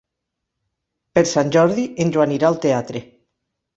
Per Sant Jordi en Joan irà al teatre.